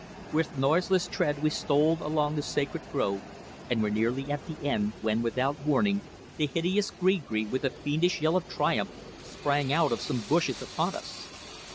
With noiseless tread we stole along the sacred grove and were nearly at the end when, without warning, the hideous gree gree, with a fiendish yell of triumph, sprang out of some bushes upon us.